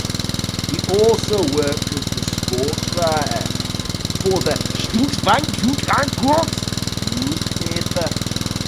He also worked as a sportswriter for the "Sydsvenska Dagbladet" newspaper.